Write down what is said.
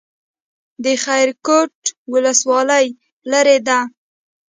د خیرکوټ ولسوالۍ لیرې ده